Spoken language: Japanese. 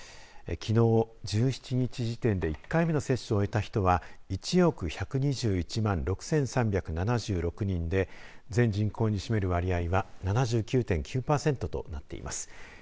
きのう１７日時点で１回目の接種を終えた人は１億１２１万６３７６人で全人口に占める割合は７９．９パーセントとなっています。